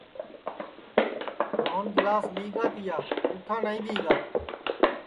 روہن گِلاس لِگا تیا پُوٹھا نائی دؔی گا